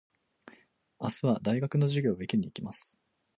明日は大学の授業を受けに行きます。